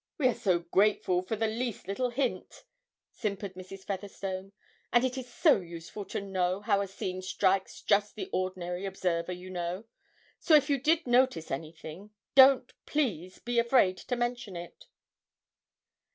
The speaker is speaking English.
'We are so grateful for the least little hint,' simpered Mrs. Featherstone, 'and it is so useful to know how a scene strikes just the ordinary observer, you know; so if you did notice anything, don't, please, be afraid to mention it!'